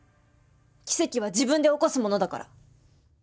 奇跡は自分で起こすものだから。